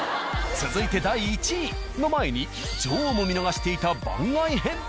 続いて第１位の前に女王も見逃していた。